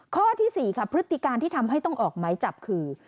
ข้อที่๔ค่ะพฤติการที่ทำให้ต้องออกไม้จับคือ